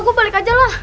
gue balik aja lah